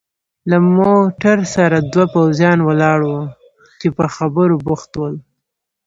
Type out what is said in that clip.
له موټر سره دوه پوځیان ولاړ ول چې په خبرو بوخت ول.